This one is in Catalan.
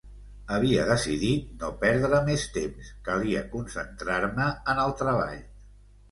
Havia decidit no perdre més temps, calia concentrar-me en el treball.